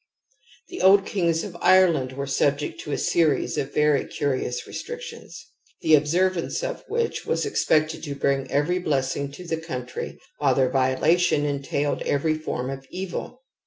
The old^^njg^^ofJMand were subject to a series ofvei^^cunous restrictions, the observance of which was expected to bring every blessing to the country while their violation entailed every form of evil.